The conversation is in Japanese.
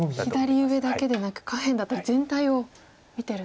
左上だけでなく下辺だったり全体を見てるんですか。